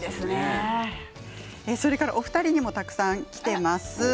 それからお二人にもたくさんきています。